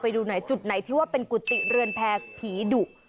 ไปดูหน่อยจุดไหนที่ว่าเป็นกุฏิเรือนแพรผีดุ